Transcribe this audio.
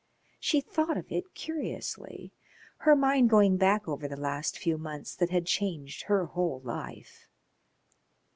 She thought of it curiously, her mind going back over the last few months that had changed her whole life.